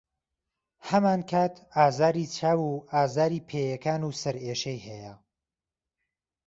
هەمانکات ئازاری چاو و ئازاری پێیەکان و سەرئێشەی هەیە.